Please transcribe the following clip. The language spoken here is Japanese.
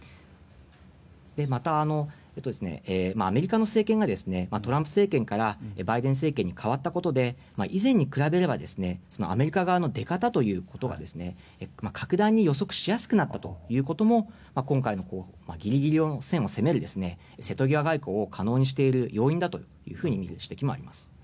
また、アメリカの政権がトランプ政権からバイデン政権に代わったことで以前に比べればアメリカ側の出方ということが格段に予測しやすくなったことも今回のギリギリの線を攻める瀬戸際外交を可能にしている要因だという指摘もあります。